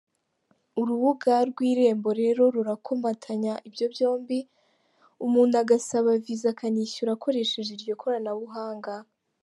Urubuga rwa Irembo rero rurakomatanya ibyo byombi, umuntu agasaba visa akanishyura akoresheje iryo koranabuhanga.